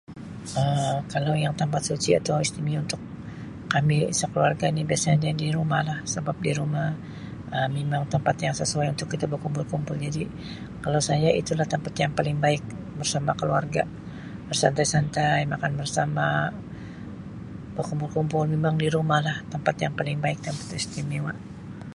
Um Kalau yang tempat suci atau istimewa untuk kami sekeluarga ni biasanya di rumah lah sebab di rumah Um mimang tampat yang sesuai untuk kita berkumpul kumpul jadi kalau saya itu lah tempat yang paling baik bersama keluarga bersantai- santai makan bersama berkumpul kumpul memang di rumah lah tempat yang paling baik tempat istimewa.